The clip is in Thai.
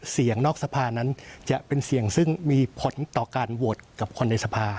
นอกสภานั้นจะเป็นเสียงซึ่งมีผลต่อการโหวตกับคนในสภา